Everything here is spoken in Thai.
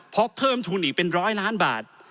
เพราะเพิ่มทุนอีกเป็นร้อยล้านบาท